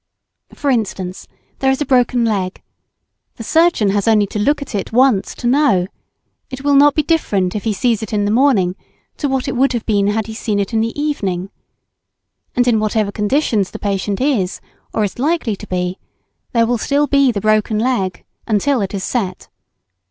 For instance, there is a broken leg; the surgeon has only to look at it once to know; it will not be different if he sees it in the morning to what it would have been had he seen it in the evening. And in whatever conditions the patient is, or is likely to be, there will still be the broken leg, until it is set.